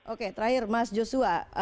oke terakhir mas joshua